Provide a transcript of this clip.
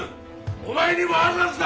お前にもあるはずだ！